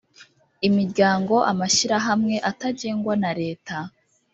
imiryango amashyirahamwe atagengwa na Leta